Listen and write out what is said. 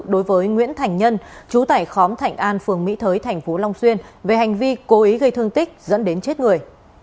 đối với nguyễn thành nhân trú tải khóm thạnh an phường mỹ thới tp long xuyên về hành vi cố ý gây thương tích dẫn đến chết người